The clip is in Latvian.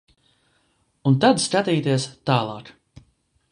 Un tad skatīties tālāk.